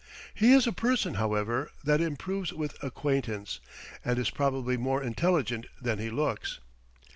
He is a person, however, that improves with acquaintance, and is probably more intelligent than he looks.